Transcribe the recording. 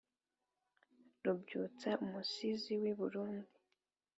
rubyutsa: umusizi w’i burundi